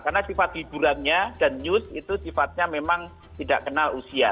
karena sifat hiburannya dan news itu sifatnya memang tidak kenal usia